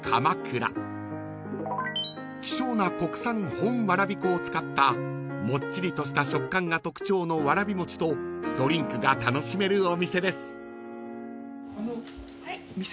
［希少な国産本わらび粉を使ったもっちりとした食感が特徴のわらびもちとドリンクが楽しめるお店です］